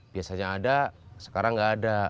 biasanya ada sekarang nggak ada